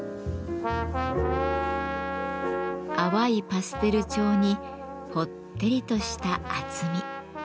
淡いパステル調にぽってりとした厚み。